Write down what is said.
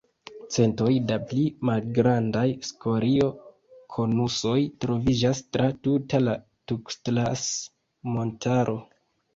Centoj da pli malgrandaj skorio-konusoj troviĝas tra tuta la Tukstlas-Montaro.